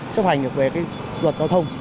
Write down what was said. chấp hành được về luật giao thông